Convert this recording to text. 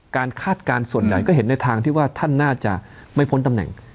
คาดการณ์ส่วนใหญ่ก็เห็นในทางที่ว่าท่านน่าจะไม่พ้นตำแหน่ง